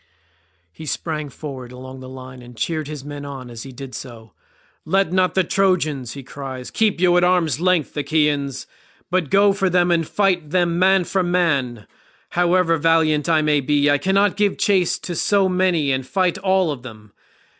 He sprang forward along the line and cheered his men on as he did so. "Let not the Trojans," he cried, "keep you at arm's length, Achaeans, but go for them and fight them man for man. However valiant I may be, I cannot give chase to so many and fight all of them.